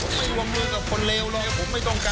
ผมไม่วงมือกับคนเลวเลยผมไม่ต้องการ